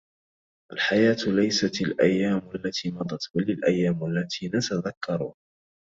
الحياة ليست الأيام التّي مضت بل الأيام الّتي نتذكّرها.